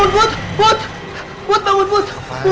put put bangun put